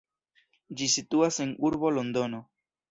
Ĝi situas en urbo Londono.